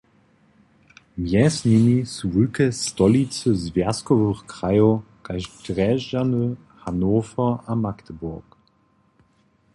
Mjez nimi su wulke stolicy zwjazkowych krajow kaž Drježdźany, Hannover a Magdeburg.